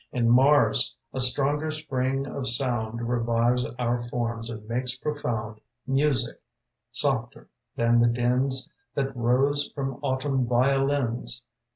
In Mars a stronger Spring of sound Revives our forms and makes Profound Music, softer than the dins That rose from Autumn violins.